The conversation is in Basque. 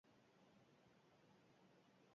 Epaiketa bihar bukatzea espero dute.